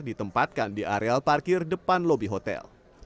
ditempatkan di areal parkir depan lobi hotel